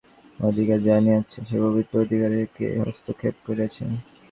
তোমার উপর আমার যে দেবদত্ত অধিকার জন্মিয়াছে সে পবিত্র অধিকারে কে হস্তক্ষেপ করিয়াছে?